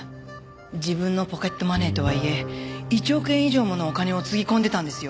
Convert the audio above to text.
自分のポケットマネーとはいえ１億円以上ものお金をつぎ込んでたんですよ。